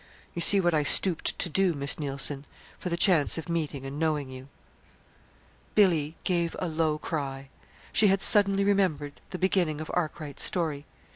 You see what I stooped to do, Miss Neilson, for the chance of meeting and knowing you." Billy gave a low cry. She had suddenly remembered the beginning of Arkwright's story.